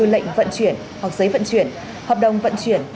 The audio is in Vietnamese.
lý vận chuyển hợp đồng vận chuyển